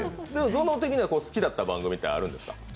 ぞの的には好きだった番組ってあるんですか？